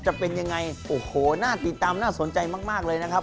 จะเป็นยังไงโอ้โหน่าติดตามน่าสนใจมากเลยนะครับ